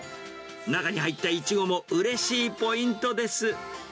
中に入ったイチゴもうれしいポイントです。